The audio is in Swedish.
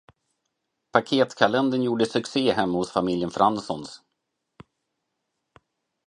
Paketkalendern gjorde succé hemma hos familjen Franssons.